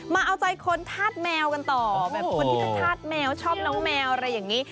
มาเอาใจคนธาตุแมวกันต่อแบบคนที่จะธาตุแมวชอบน้องแมวอะไรอย่างนี้